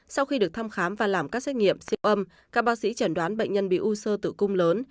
sau khi được thăm khám và làm các xét nghiệm siêu âm các bác sĩ chẩn đoán bệnh nhân bị u sơ tử cung lớn